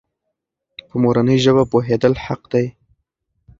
په مورنۍ ژبه پوهېدل حق دی.